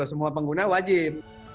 semua pengguna wajib